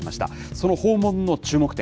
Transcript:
その訪問の注目点。